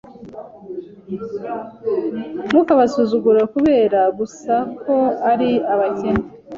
Ntukabasuzugure kubera gusa ko ari abakene.